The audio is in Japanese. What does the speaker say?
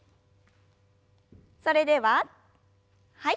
それでははい。